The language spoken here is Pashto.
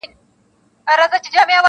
پر سر وا مي ړوه یو مي سه تر سونډو,